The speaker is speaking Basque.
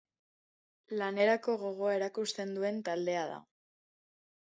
Lanerako gogoa erakusten due ntaldea da.